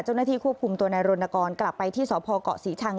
เจ้าหน้าที่ควบคุมตัวนายรณกรกลับไปที่สพเกาะศรีชัง